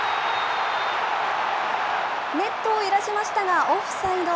ネットを揺らしましたが、オフサイド。